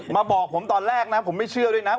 บอกผมตอนแรกนะผมไม่เชื่อด้วยนะ